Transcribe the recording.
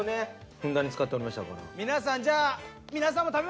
ふんだんに使っておりましたから。